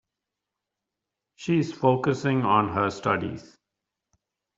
She's focusing on her studies.